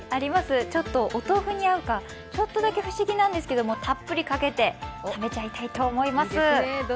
ちょっとお豆腐に合うかちょっとだけ不思議なんですがたっぷりかけて食べちゃいたいと思います。